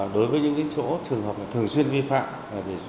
đối với những chỗ trường hợp thường xuyên vi phạm